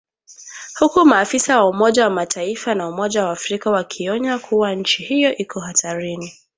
Huku maafisa wa Umoja wa Mataifa na Umoja wa Afrika wakionya kuwa nchi hiyo iko hatarini.